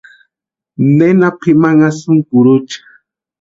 ¿Nena pʼimanhasïnki kurucha?